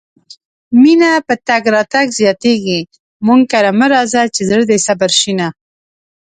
مينه په تګ راتګ زياتيږي مونږ کره مه راځه چې زړه دې صبر شينه